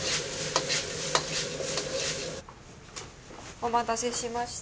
お待たせしました。